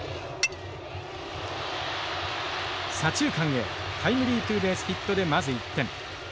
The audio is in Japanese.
左中間へタイムリーツーベースヒットでまず１点。